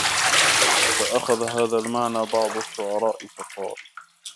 فَأَخَذَ هَذَا الْمَعْنَى بَعْضُ الشُّعَرَاءِ فَقَالَ